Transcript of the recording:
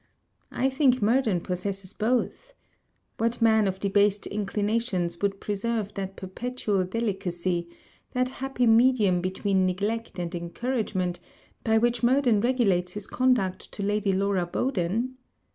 I think Murden possesses both. What man of debased inclinations would preserve that perpetual delicacy, that happy medium between neglect and encouragement, by which Murden regulates his conduct to Lady Laura Bowden?